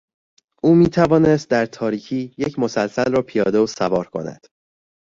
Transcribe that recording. او میتوانست در تاریکی یک مسلسل را پیاده و سوار کند.